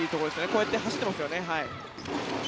こうやって走っていますよね。